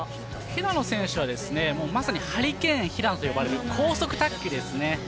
平野選手は、まさにハリケーン平野と呼ばれる高速卓球です。